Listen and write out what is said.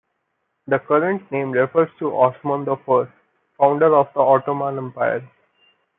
The current name refers to Osman the First, founder of the Ottoman Empire.